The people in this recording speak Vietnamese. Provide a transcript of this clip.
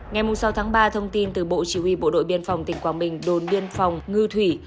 ngày sáu tháng ba thông tin từ bộ chỉ huy bộ đội biên phòng tỉnh quảng bình đồn biên phòng ngư thủy